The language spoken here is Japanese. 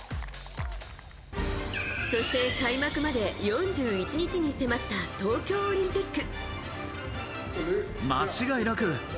そして、開幕まで４１日に迫った東京オリンピック。